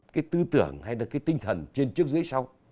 cái tư tưởng hay là cái tinh thần trên trước dưới sau